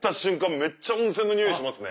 めっちゃ温泉のにおいしますね。